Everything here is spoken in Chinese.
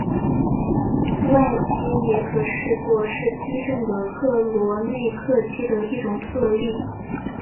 外积也可视作是矩阵的克罗内克积的一种特例。